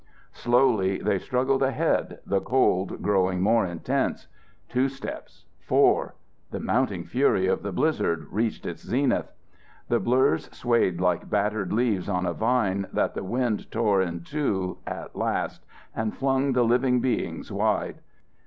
Slowly they struggled ahead, the cold growing more intense; two steps, four, and the mounting fury of the blizzard reached its zenith. The blurs swayed like battered leaves on a vine that the wind tore in two at last and flung the living beings wide.